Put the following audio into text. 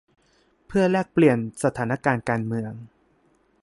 เพื่อแลกเปลี่ยนสถานการณ์การเมือง